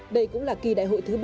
đây cũng là kỳ đại hội thứ ba